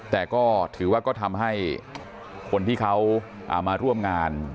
แต่ก็ถือว่าก็ทำให้คนที่เขามาร่วมงาน